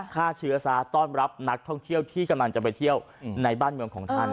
ฆ่าเชื้อซะต้อนรับนักท่องเที่ยวที่กำลังจะไปเที่ยวในบ้านเมืองของท่าน